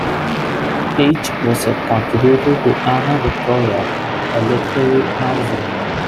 Eich was a contributor to "Ana Victoria", a literary magazine.